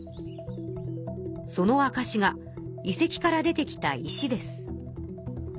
そのあかしが遺跡から出てきた石です。